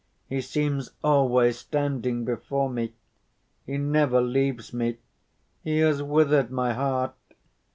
He seems always standing before me. He never leaves me. He has withered my heart.